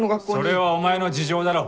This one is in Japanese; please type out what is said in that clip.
それはお前の事情だろう？